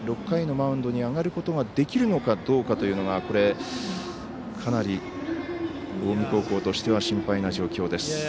６回のマウンドに上がることができるのかどうかというのがかなり近江高校としては心配な状況です。